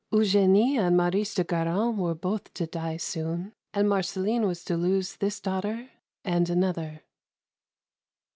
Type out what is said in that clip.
Eugenie and Maurice de Guerin were both to die soon, and Marceline was to lose this daughter and another.